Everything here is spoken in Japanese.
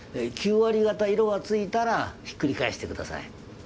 ９割方色がついたらひっくり返してください。